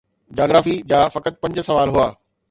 geography جا فقط پنج سوال هئا